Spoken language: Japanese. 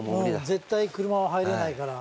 絶対車は入れないから。